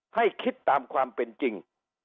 ให้คิดตามความเป็นจริง